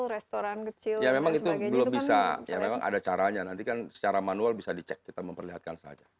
restoran kecil memang itu bisa ada caranya nantikan secara manual bisa dicek kita memperlihatkan saja